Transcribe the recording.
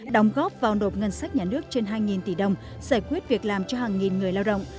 đóng góp vào nộp ngân sách nhà nước trên hai tỷ đồng giải quyết việc làm cho hàng nghìn người lao động